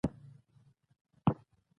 د ګیلاسي شګوفو د ځوانکیو ناکو